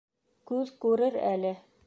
Күҙ күрер әле.